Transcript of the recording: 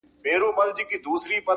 د فتوحاتو یرغلونو او جنګونو کیسې,